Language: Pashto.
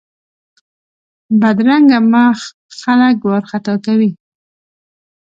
بدرنګه مخ خلک وارخطا کوي